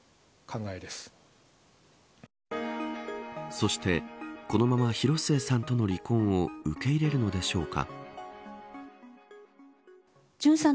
そして、このまま広末さんとの離婚を受け入れるのでしょうか。